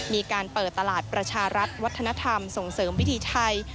มีการเปิดตลาดประชารัฐวัฒนธรรมส่งเสริมวิถีไทย